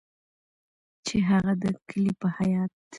چې هغه د کلي په خیاط